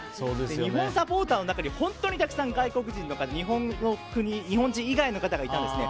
日本サポーターの中に本当にたくさん外国人の方日本人以外の方がいたんですね。